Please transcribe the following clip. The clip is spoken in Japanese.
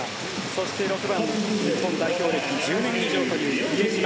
そして、６番日本代表歴１０年以上という比江島。